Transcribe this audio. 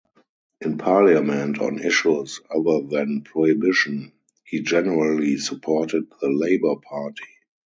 In Parliament, on issues other than prohibition, he generally supported the Labour Party.